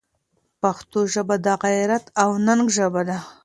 پښتو ژبه د غیرت او ننګ ژبه ده.